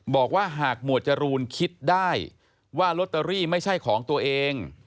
บอกว่าหากหมวดจรูนคิดได้ว่าลอตเตอรี่ไม่ใช่ของตัวเอง